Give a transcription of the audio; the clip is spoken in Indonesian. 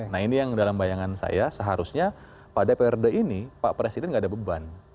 nah ini yang dalam bayangan saya seharusnya pada periode ini pak presiden gak ada beban